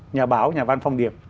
nhà báo nhà văn phong điệp